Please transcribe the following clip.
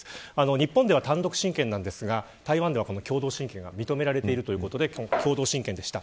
日本では単独親権なんですが台湾では共同親権が認められているということで今回は、共同親権でした。